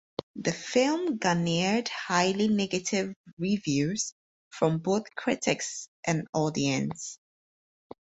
The film garnered highly negative reviews from both critics and audience.